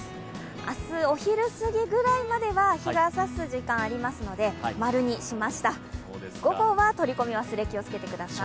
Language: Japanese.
明日、お昼過ぎぐらいまでは日がさす時間がありますので○にしました、午後は取り込み忘れ気をつけてください。